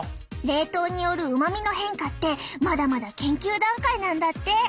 冷凍によるうまみの変化ってまだまだ研究段階なんだって。